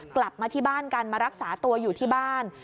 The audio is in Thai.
กลับมาที่บ้านกันมารักษาตัวอยู่ที่บ้าน